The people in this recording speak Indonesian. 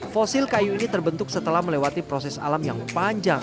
fosil kayu ini terbentuk setelah melewati proses alam yang panjang